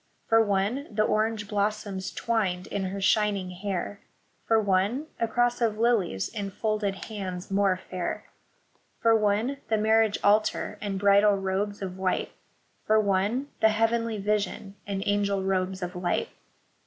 For one the orange blossoms, twined in her shining hair J For one a cross of lilies, in folded hands more fair ; 17 2 HAPPY NEW YEAR. For one the marriage altar, and bridal robes of white ; For one the Heavenly Vision, and angel robes of light.